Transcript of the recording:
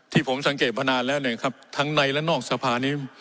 ที่ผมสังเกตมานานแล้วเนี่ยครับทั้งในและนอกสภานี้